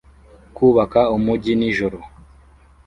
Kubaka umujyi nijoro